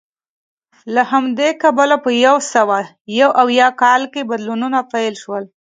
له همدې کبله په یو سوه یو اویا کال کې بدلونونه پیل شول